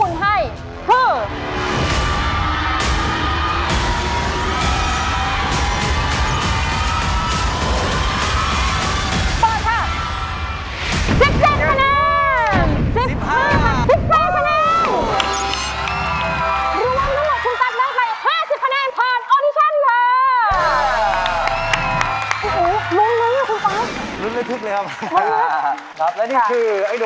ช่วยฝังดินหรือกว่า